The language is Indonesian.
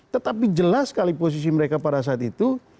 tetapi jelas sekali posisi mereka pada saat itu